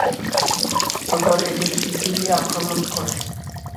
অতঃপর এটি সিসিলি আক্রমণ করে।